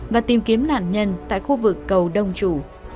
và tìm kiếm nạn nhân tại khu vực cầu đông chủ